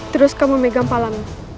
terus kau memegang palangmu